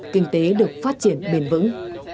kinh tế được phát triển bền vững